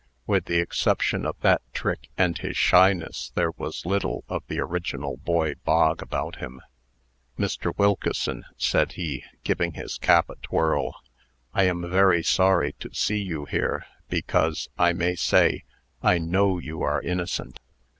"With the exception of that trick, and his shyness, there was little of the original boy Bog about him, "Mr. Wilkeson," said he, giving his cap a twirl, "I am very sorry to see you here; because, I may say, I know you are innocent."